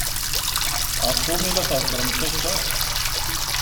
Ɣef umi i la theddṛemt akka?